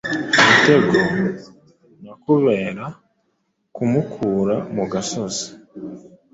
umutego na kubera kumukura mu gasozi